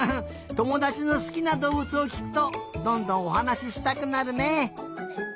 ともだちのすきなどうぶつをきくとどんどんおはなししたくなるね！